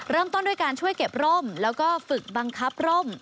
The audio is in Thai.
เริ่มต้นด้วยการช่วยเก็บร่มแล้วก็ฝึกบังคับร่ม